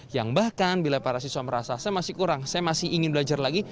yang bahkan bila para siswa merasa saya masih kurang saya masih ingin belajar lagi